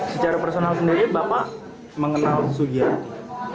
secara personal sendiri bapak mengenal sugiyati